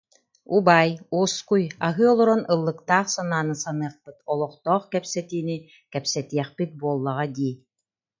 Убаай, уоскуй, аһыы олорон ыллыктаах санааны саныахпыт, олохтоох кэпсэтиинии кэпсэтиэхпит буоллаҕа дии